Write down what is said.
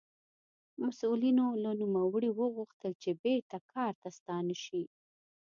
مسوولینو له نوموړي وغوښتل چې بېرته کار ته ستانه شي.